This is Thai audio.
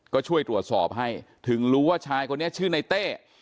ก็ช่วยตรวจสอบให้ถึงรู้ว่าชายคนนี้ชื่อในเต้